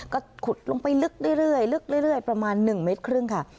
ก็ขุดลงไปลึกเรื่อยประมาณหนึ่งเมตรครึ่งค่ะ